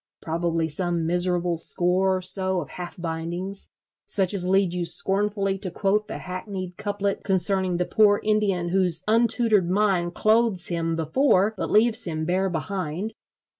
Probably some miserable score or so of half bindings, such as lead you scornfully to quote the hackneyed couplet concerning the poor Indian whose untutored mind clothes him before but leaves him bare behind.